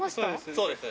そうですね。